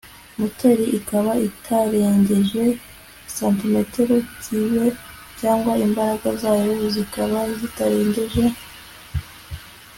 moteri ikaba itarengeje santimetro kibe cyangwa imbaraga zayo zikaba zitarengeje